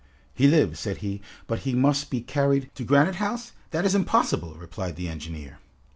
"He lives," said he, "but he must be carried " "To Granite House? that is impossible!" replied the engineer.